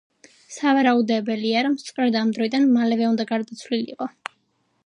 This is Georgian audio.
სავარაუდებელია, რომ სწორედ ამ დროიდან მალევე უნდა გარდაცვლილიყო.